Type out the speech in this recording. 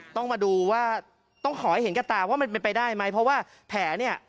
ต้องมาดูว่าต้องขอให้เห็นกับตาว่ามันเป็นไปได้ไหมเพราะว่าแผลเนี่ย